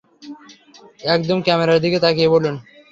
একদম ক্যামেরার দিকে তাকিয়ে বলুন!